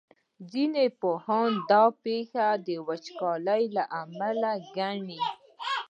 ځینې پوهان دا پېښه وچکالۍ له امله ګڼي.